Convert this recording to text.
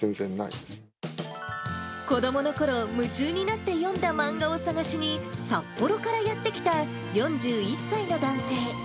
子どものころ、夢中になって読んだ漫画を探しに、札幌からやって来た４１歳の男性。